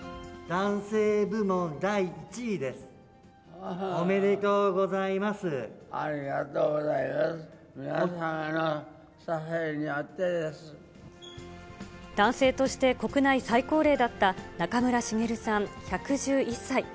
男性として国内最高齢だった中村茂さん１１１歳。